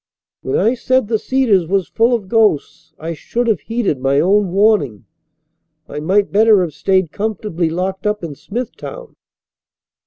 "When I said the Cedars was full of ghosts I should have heeded my own warning. I might better have stayed comfortably locked up in Smithtown."